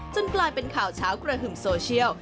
กลายเป็นข่าวเช้ากระหึ่มโซเชียล